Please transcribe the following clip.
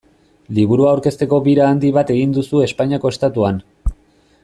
Liburua aurkezteko bira handi bat egin duzu Espainiako Estatuan.